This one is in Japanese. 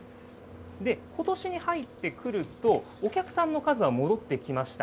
ことしに入ってくると、お客さんの数は戻ってきました。